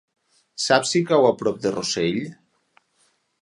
Saps si cau a prop de Rossell?